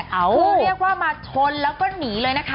คือเรียกว่ามาชนแล้วก็หนีเลยนะคะ